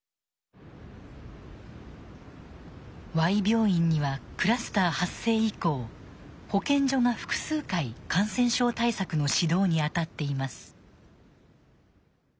Ｙ病院にはクラスター発生以降保健所が複数回感染症対策の指導に当たっています。